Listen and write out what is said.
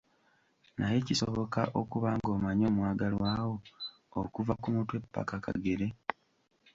Naye kisoboka okuba ng'omanyi omwagalwa wo okuva ku mutwe paka kagere?